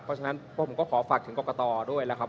เพราะฉะนั้นพวกผมก็ขอฝากถึงกรกตด้วยนะครับ